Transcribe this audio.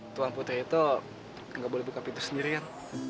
tuan putri itu gak boleh buka pintu sendirian